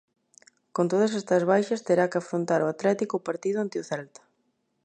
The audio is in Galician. Con todas estas baixas terá que afrontar o Atlético o partido ante o Celta.